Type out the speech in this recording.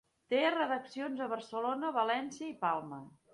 Té redaccions a Barcelona, València i Palma.